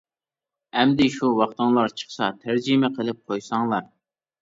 ئەمدى شۇ ۋاقتىڭلار چىقسا تەرجىمە قىلىپ قويساڭلار.